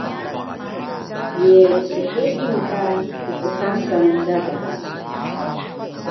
Ye chedil ka pptasan gaga?